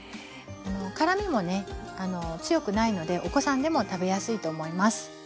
辛みもね強くないのでお子さんでも食べやすいと思います。